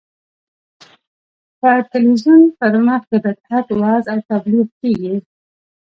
په تلویزیون پر مخ د بدعت وعظ او تبلیغ کېږي.